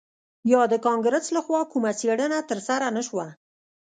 یا د کانګرس لخوا کومه څیړنه ترسره نه شوه